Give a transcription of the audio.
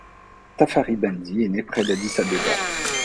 Tafari Benti est né près d'Addis-Abeba.